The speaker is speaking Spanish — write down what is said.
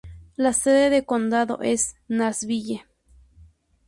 La sede de condado es Nashville.